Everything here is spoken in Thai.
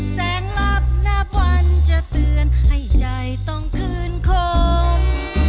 แสงลับนับวันจะเตือนให้ใจต้องคืนคม